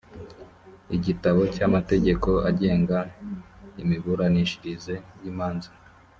igitabo cy’amategeko agenga imiburanishirize y’imanza